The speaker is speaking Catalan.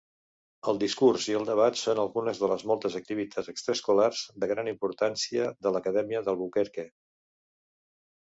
El discurs i el debat són algunes de les moltes activitats extraescolars de gran importància de l'acadèmia d'Albuquerque.